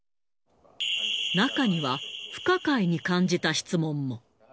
中には不可解に感じた質問も。